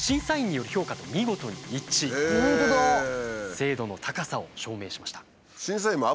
精度の高さを証明しました。